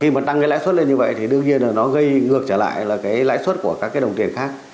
khi mà tăng cái lãi suất lên như vậy thì đương nhiên là nó gây ngược trở lại là cái lãi suất của các cái đồng tiền khác